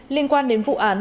liên quan đến vụ án